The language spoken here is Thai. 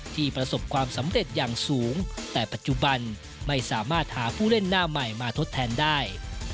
ประสบความสำเร็จอย่างสูงแต่ปัจจุบันไม่สามารถหาผู้เล่นหน้าใหม่มาทดแทนได้